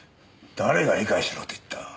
誰が理解しろと言った。